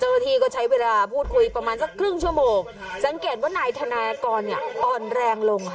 เจ้าหน้าที่ก็ใช้เวลาพูดคุยประมาณสักครึ่งชั่วโมงสังเกตว่านายธนากรเนี่ยอ่อนแรงลงค่ะ